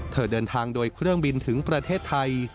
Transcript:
เดินทางโดยเครื่องบินถึงประเทศไทย